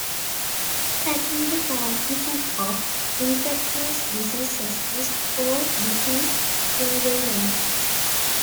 Tracking the transmission of infectious diseases is called disease surveillance.